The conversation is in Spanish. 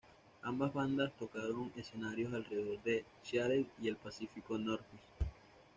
Ambas bandas tocaron en escenarios alrededor de Seattle y el Pacific Northwest.